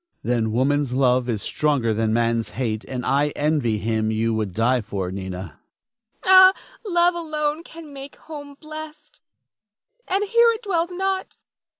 Then woman's love is stronger than man's hate, and I envy him you would die for, Nina. Nina. Ah, love alone can make home blest, and here it dwells not.